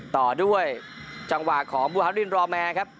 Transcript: ต่อด้วยจังหวะของบูฮารินรอแมร์ครับ